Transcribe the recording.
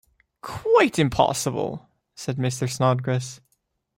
‘Quite impossible,’ said Mr. Snodgrass.